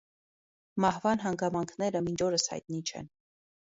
Մահվան հանգամանքները մինչ օրս հայտնի չեն։